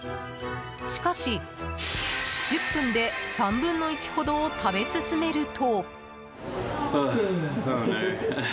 しかし、１０分で３分の１ほどを食べ進めると。